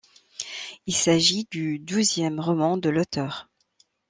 Il s'agit du douzième roman de l'auteure.